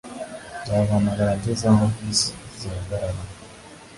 nzaguhamagara ngeze aho bisi zihagarara